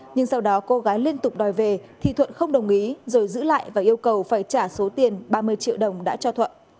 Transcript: nhưng sau đó cô gái liên tục đòi về thì thuận không đồng ý rồi giữ lại và yêu cầu phải trả số tiền ba mươi triệu đồng đã cho thuận